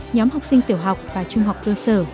nhóm học sinh tiểu học và trung học cơ sở